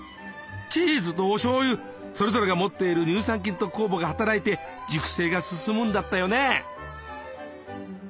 チーズとおしょうゆそれぞれが持っている乳酸菌と酵母が働いて熟成が進むんだったよね。